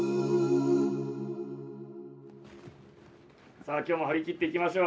さあ今日も張り切っていきましょう。